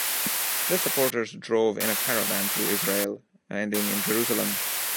The supporters drove in a caravan through Israel, ending in Jerusalem.